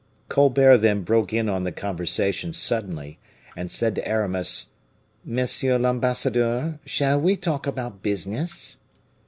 Colbert then broke in on the conversation suddenly, and said to Aramis: "Monsieur l'ambassadeur, shall we talk about business?"